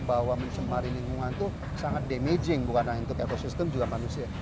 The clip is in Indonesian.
bahwa mencemari lingkungan itu sangat damaging bukan hanya untuk ekosistem juga manusia